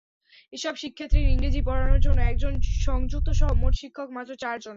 এসব শিক্ষার্থীর ইংরেজি পড়ানোর জন্য একজন সংযুক্তসহ মোট শিক্ষক মাত্র চারজন।